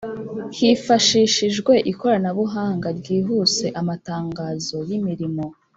Hifashishijwe ikoranabuhanga ryihuse amatangazo y’imirimo